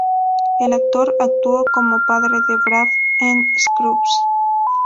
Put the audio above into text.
El actor actuó como padre de Braff en "Scrubs".